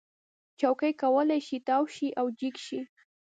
چوکۍ کولی شي تاو شي او جګ شي.